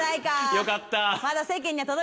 よかった。